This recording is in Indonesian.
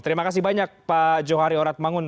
terima kasih banyak pak johari orat mangun